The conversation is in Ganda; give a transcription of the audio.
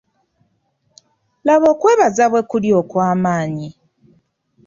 Laba okwebaza bwe kuli okw'amaanyi.